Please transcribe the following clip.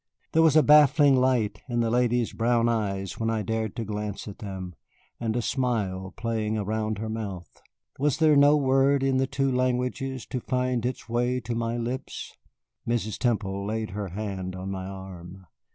There was a baffling light in the lady's brown eyes when I dared to glance at them, and a smile playing around her mouth. Was there no word in the two languages to find its way to my lips? Mrs. Temple laid her hand on my arm.